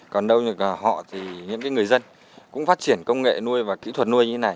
còn đâu cả họ thì những người dân cũng phát triển công nghệ nuôi và kỹ thuật nuôi như thế này